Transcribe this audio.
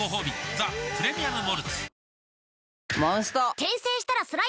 「ザ・プレミアム・モルツ」